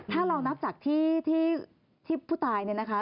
ถ้าเรานับจากที่ผู้ตายเนี่ยนะคะ